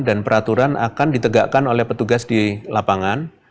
dan peraturan akan ditegakkan oleh petugas di lapangan